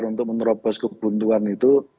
untuk menerobos kebuntuan itu